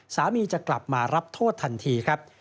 สามีจะกลับรับมารับโทษทันทีครับ